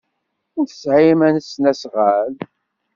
Ur tesɛim asnasɣal.